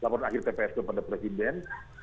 laporan akhir tps kepada presiden